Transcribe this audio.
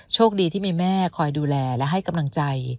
โชคดีที่มีแม่คอยดูแลและให้กำลังใจ